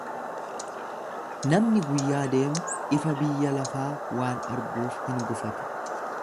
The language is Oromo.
Namni guyyaa deemu ifa biyya lafaa waan arguuf hin gufatu.